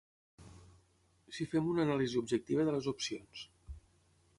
si fem una anàlisi objectiva de les opcions